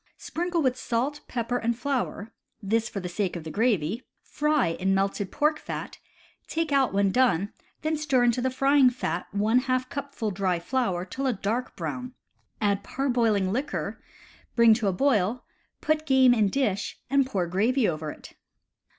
Sprinkle with salt, pepper, and flour (this for the sake of the gravy), fry in melted pork fat, take out when done, then stir into the frying fat one half cupful dry flour till a dark brown, add parboiling liquor, bring to a boil, put game in dish, and pour gravy over it.